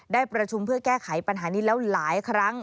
ได้ประชุมเพื่อแก้ไขปัญหานี้แล้วหลายครั้ง